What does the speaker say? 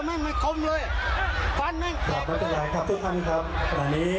ดึงเด็กออกก่อนเนี่ย